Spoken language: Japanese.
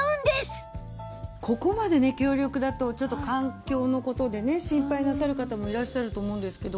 ここまでね強力だとちょっと環境の事でね心配なさる方もいらっしゃると思うんですけど。